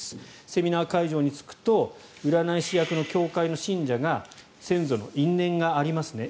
セミナー会場に着くと占い師役の教会の信者が先祖の因縁がありますね